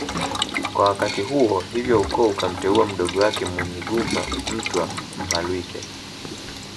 Kwa wakati huo hivyo ukoo ukamteua mdogo wake Munyigumba Mtwa Mhalwike